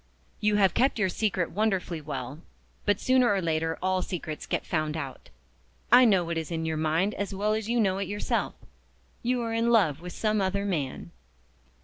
"You have kept your secret wonderfully well but sooner or later all secrets get found out. I know what is in your mind as well as you know it yourself. You are in love with some other man."